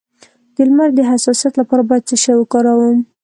د لمر د حساسیت لپاره باید څه شی وکاروم؟